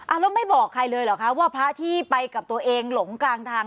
แล้วไม่บอกใครเลยเหรอคะว่าพระที่ไปกับตัวเองหลงกลางทาง